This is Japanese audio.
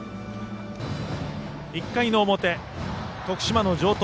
１回の表、徳島の城東。